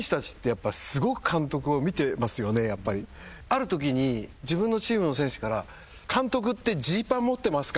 あるときに自分のチームの選手から「監督ってジーパン持ってますか？」